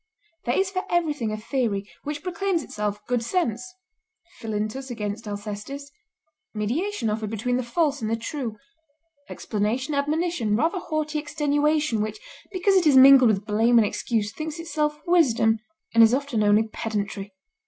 There is for everything a theory, which proclaims itself "good sense"; Philintus against Alcestis; mediation offered between the false and the true; explanation, admonition, rather haughty extenuation which, because it is mingled with blame and excuse, thinks itself wisdom, and is often only pedantry.